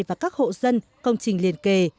và các hộ dân công trình liền kề